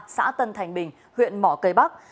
xã tân thành bình huyện mỏ cấy bắc